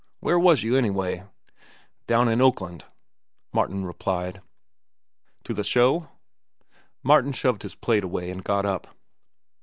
Where was you anyway?" "Down in Oakland," Martin replied. "To the show?" Martin shoved his plate away and got up.